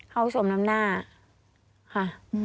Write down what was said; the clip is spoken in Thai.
เขาสวมน้ำหน้าค่ะ